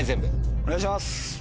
お願いします。